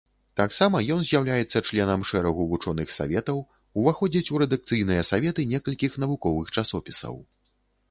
Таксама ён з'яўляецца членам шэрагу вучоных саветаў, уваходзіць у рэдакцыйныя саветы некалькіх навуковых часопісаў.